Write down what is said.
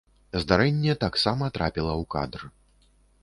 Здарэнне таксама трапіла ў кадр.